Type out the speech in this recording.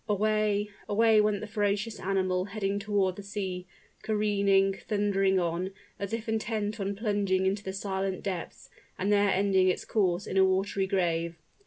Away away went the ferocious animal heading toward the sea careering, thundering on, as if intent on plunging into the silent depths, and there ending its course in a watery grave.